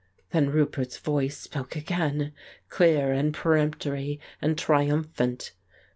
Then Roupert's voice spoke again, clear and peremptory and triumphant.